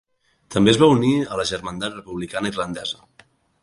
També es va unir a la Germandat Republicana Irlandesa.